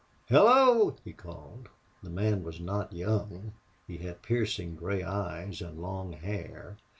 "Hello!" he called. The man was not young. He had piercing gray eyes and long hair.